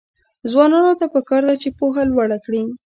ځوانانو ته پکار ده چې، پوهه لوړه کړي.